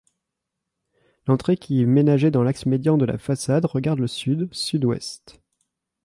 L'entrée, qui est ménagée dans l'axe médian de la façade, regarde le sud sud-ouest.